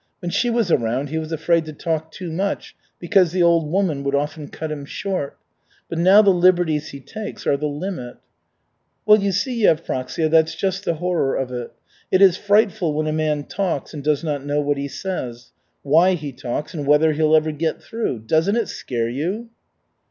When she was around he was afraid to talk too much, because the old woman would often cut him short. But now the liberties he takes are the limit." "Well, you see, Yevpraksia, that's just the horror of it. It is frightful when a man talks and does not know what he says, why he talks and whether he'll ever get through. Doesn't it scare you?"